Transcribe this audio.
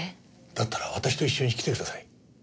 だったら私と一緒に来てください。